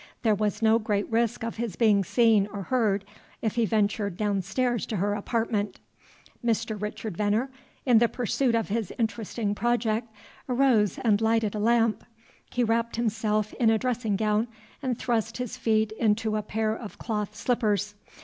There was no great risk of his being seen or heard, if he ventured down stairs to her apartment. Mr. Richard Venner, in the pursuit of his interesting project, arose and lighted a lamp. He wrapped himself in a dressing gown and thrust his feet into a pair of cloth slippers.